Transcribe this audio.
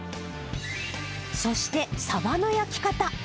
そして、サバの焼き方。